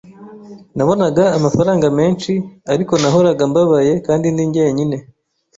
nabonaga amafaranga menshi ariko nahoraga mbabaye kandi ndi njyenyine